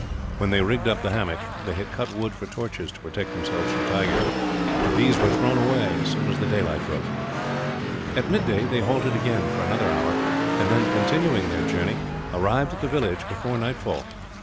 When they rigged up the hammock, they had cut wood for torches, to protect themselves from tigers. These were thrown away, as soon as daylight broke. At midday they halted again, for another hour; and then, continuing their journey, arrived at the village before nightfall.